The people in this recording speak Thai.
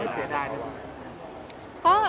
ไม่เสียดายนะคุณ